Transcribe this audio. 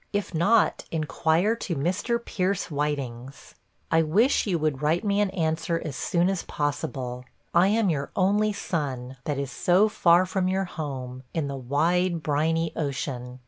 If not, inquire to Mr. Pierce Whiting's. I wish you would write me an answer as soon as possible. I am your only son, that is so far from your home, in the wide briny ocean.